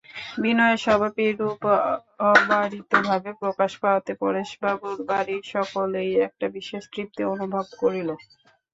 বিনয়ের স্বভাব এইরূপ অবারিতভাবে প্রকাশ পাওয়াতে পরেশবাবুর বাড়ির সকলেই একটা বিশেষ তৃপ্তি অনুভব করিল।